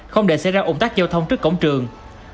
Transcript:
không để xảy ra ủng tắc giao thông trước cổng trường